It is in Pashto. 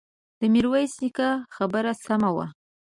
د ميرويس نيکه خبره سمه وه.